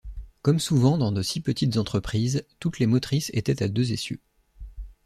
Comme souvent dans de si petites entreprises, toutes les motrices étaient à deux essieux.